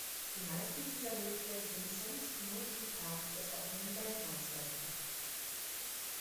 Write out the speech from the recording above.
Die meisten dieser Höfe sind sonst nur zum Tag des offenen Denkmals geöffnet.